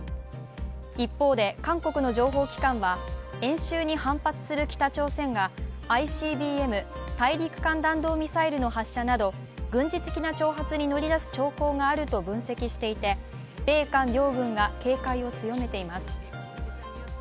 一方で、韓国の情報機関は演習に反発する北朝鮮がＩＣＢＭ＝大陸間弾道ミサイルの発射など軍事的な挑発に乗り出す兆候があると分析していて、米韓両軍が警戒を強めています。